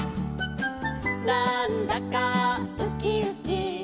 「なんだかウキウキ」